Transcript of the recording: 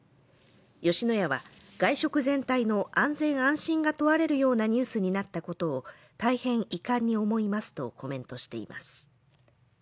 吉野家は外食全体の安全安心が問われるようなニュースになったことを大変遺憾に思いますとコメントしています。